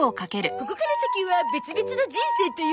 ここから先は別々の人生ということで。